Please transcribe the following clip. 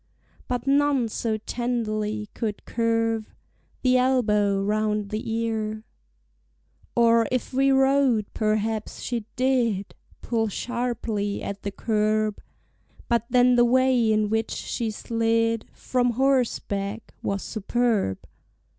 But none so tenderly could curve The elbow round the ear: Or if we rode, perhaps she did Pull sharply at the curb; But then the way in which she slid From horseback was superb!